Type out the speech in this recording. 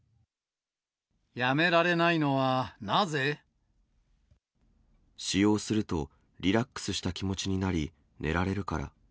やめられないのはなぜ？使用するとリラックスした気持ちになり、寝られるから。